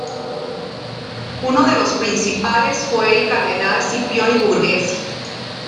Uno de los principales fue el cardenal Scipione Borghese.